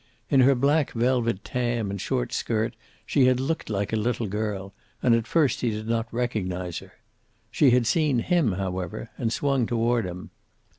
In her black velvet tam and short skirt she had looked like a little girl, and at first he did not recognize her. She had seen him, however, and swung toward him.